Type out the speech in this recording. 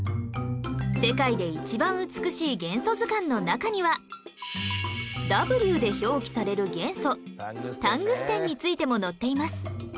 『世界で一番美しい元素図鑑』の中には Ｗ で表記される元素タングステンについても載っています